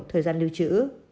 thời gian lưu trữ